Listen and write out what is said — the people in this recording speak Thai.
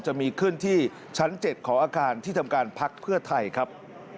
จะมีขึ้นที่ชั้น๗ของอาคารที่ทำการพักเพื่อไทยครับ